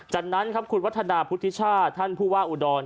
จากนั้นครับคุณวัฒนาพุทธิชาติท่านผู้ว่าอุดร